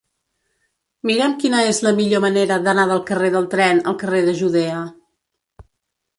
Mira'm quina és la millor manera d'anar del carrer del Tren al carrer de Judea.